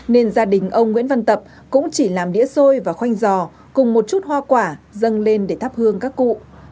nên gia đình ông nguyễn văn tập cũng chỉ làm đĩa xôi và khoanh giò cùng một chút hoa quả dâng lên để thắp hương các cụ